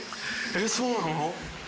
えっそうなの？